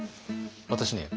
私ね